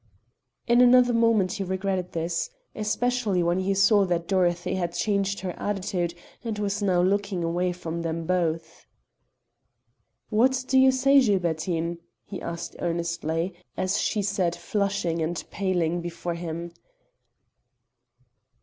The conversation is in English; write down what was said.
In another moment he regretted this, especially when he saw that Dorothy had changed her attitude and was now looking away from them both. "What do you say, Gilbertine?" he asked earnestly, as she sat flushing and paling before him.